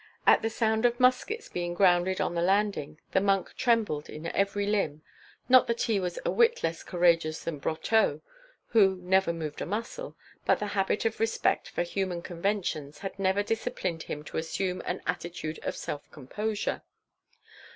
At the sound of muskets being grounded on the landing, the monk trembled in every limb, not that he was a whit less courageous than Brotteaux, who never moved a muscle, but the habit of respect for human conventions had never disciplined him to assume an attitude of self composure.